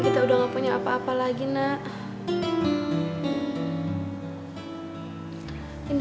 bapak akan temani kalian